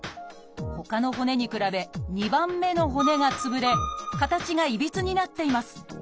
ほかの骨に比べ２番目の骨がつぶれ形がいびつになっています。